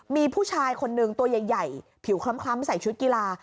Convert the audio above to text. มีผู้ชายคนนึงตัวใหญ่ผิวคล้ำใส่ชุดกีฬา